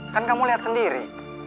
kan kamu liat sendiri